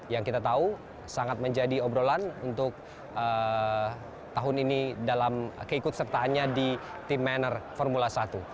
yang kita tahu sangat menjadi obrolan untuk tahun ini dalam keikut sertaannya di tim manor formula satu